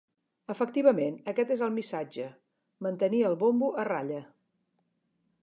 Efectivament, aquest és el missatge: mantenir el bombo a ratlla.